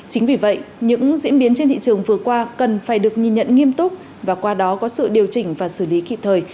chính vì vậy những diễn biến trên thị trường vừa qua cần phải được nhìn nhận nghiêm túc và qua đó có sự điều chỉnh và xử lý kịp thời